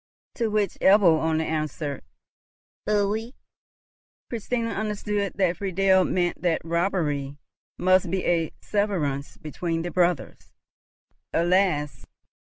To which Ebbo only answered, "Pfui!" Christina understood that Friedel meant that robbery must be a severance between the brothers. Alas!